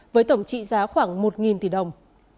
với tổng trị giá khoảng một tỷ đồng